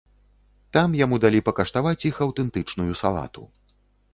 Там яму далі пакаштаваць іх аўтэнтычную салату.